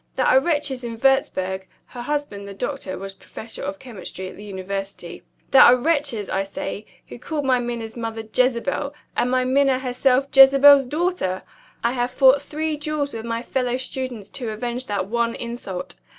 There are wretches in Wurzburg (her husband the doctor was professor of chemistry at the University) there are wretches, I say, who call my Minna's mother 'Jezebel,' and my Minna herself 'Jezebel's Daughter!' I have fought three duels with my fellow students to avenge that one insult.